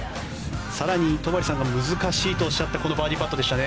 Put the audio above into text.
更に、戸張さんが難しいとおっしゃったこのバーディーショットでした。